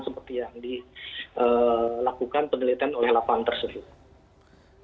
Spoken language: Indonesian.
seperti yang dilakukan penelitian oleh lapangan tersebut